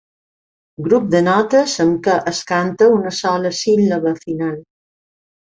Grup de notes amb què es canta una sola síl·laba final.